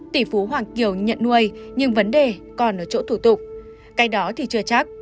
tỷ phú hoàng kiều nhận nuôi nhưng vấn đề còn ở chỗ thủ tục cái đó thì chưa chắc